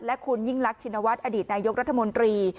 และคุณยิ่งรักชินวัฒน์อดีตนายกรัฐมนตรี